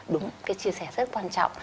đúng cái chia sẻ rất quan trọng